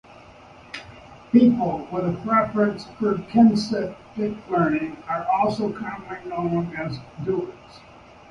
People with a preference for kinesthetic learning are also commonly known as "do-ers".